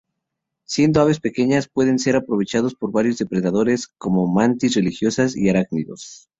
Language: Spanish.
Siendo aves pequeñas, pueden ser aprovechados por varios depredadores como mantis religiosas y arácnidos.